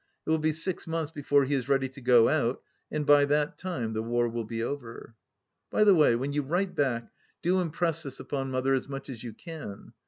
It will be six months before he is ready to go out, and by that time the war will be over. By the way, when you write back, do impress this upon Mother as much as you can.